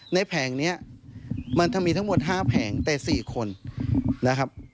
แผงนี้มันจะมีทั้งหมด๕แผงแต่๔คนนะครับ